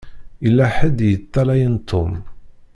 Yella ḥedd i yeṭṭalayen Tom.